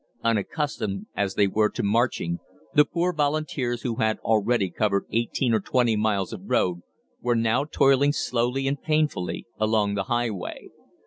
Unaccustomed as they were to marching, the poor Volunteers who had already covered eighteen or twenty miles of road, were now toiling slowly and painfully along the highway.